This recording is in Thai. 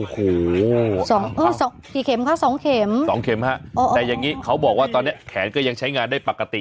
กี่เข็มครับ๒เข็มแต่อย่างนี้เขาบอกว่าตอนนี้แขนก็ยังใช้งานได้ปกติ